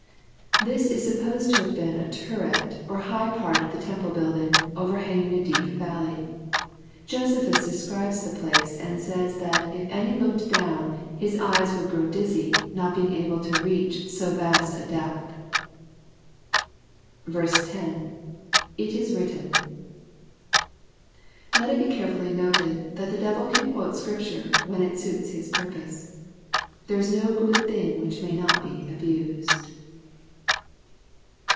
] This is su{^>08Qd to have been a turret, or high part of the .emple building, overhanging a deep valley. JoaepLus describes the place, and says, that " if any looked down, his eyes would grow dizzy, not being able to reach to so vast a depth.*' 10. — [It 18 ivrUten,] Let it be carefully noted, that the devil can quote Scripture, when it suits his purpose. There is no good thing which may not be abused.